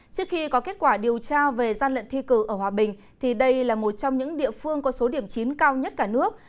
trước khi có kết quả điều tra về gian lận thi cử ở hòa bình thì đây là một trong những địa phương có số điểm chín cao nhất cả nước